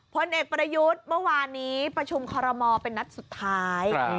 พลเอกประยุทธ์เมื่อวานนี้ประชุมคอรมอลเป็นนัดสุดท้าย